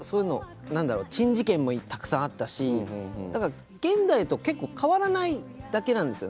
珍事件もたくさんあったしだから現代と結構変わらないだけなんですよね。